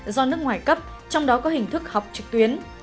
do nước ngoài cấp trong đó có hình thức học trực tuyến